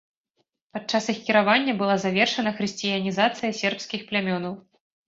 Падчас іх кіравання была завершана хрысціянізацыя сербскіх плямёнаў.